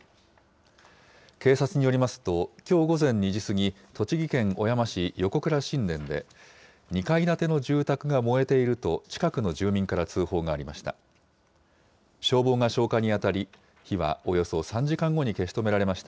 警察によりますと、きょう午前２時過ぎ、栃木県小山市横倉新田で、２階建ての住宅が燃えていると、近くの住民から通報がありました。